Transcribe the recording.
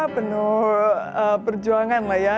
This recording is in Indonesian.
penuh perjuangan lah ya